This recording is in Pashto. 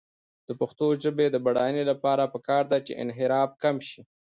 د پښتو ژبې د بډاینې لپاره پکار ده چې انحراف کم شي.